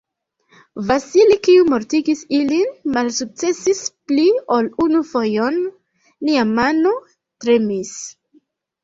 Vasili, kiu mortigis ilin, malsukcesis pli ol unu fojon: lia mano tremis.